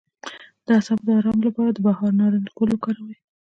د اعصابو د ارام لپاره د بهار نارنج ګل وکاروئ